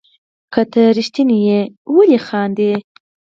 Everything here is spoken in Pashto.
که ته ريښتيني يي ولي خاندي